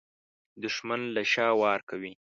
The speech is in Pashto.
دښمن له شا وار کوي